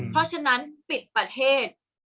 เพราะฉะนั้นปิดประเทศ